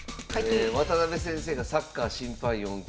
渡辺先生がサッカー審判４級。